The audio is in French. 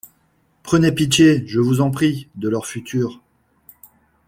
Prenez pitié, je vous en prie, de leur futur.